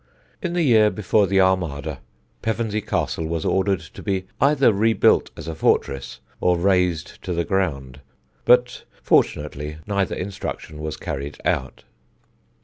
In the year before the Armada, Pevensey Castle was ordered to be either rebuilt as a fortress or razed to the ground; but fortunately neither instruction was carried out.